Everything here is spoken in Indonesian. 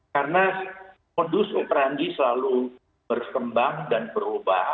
karena modus operandi selalu berkembang dan berubah